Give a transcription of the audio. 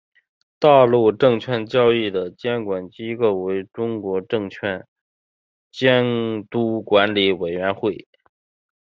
大陆证券交易的监管机构为中国证券监督管理委员会。